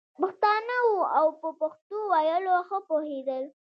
پښتانه وو او په پښتو ویلو ښه پوهېدل.